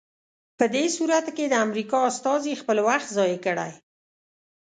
په دې صورت کې د امریکا استازي خپل وخت ضایع کړی.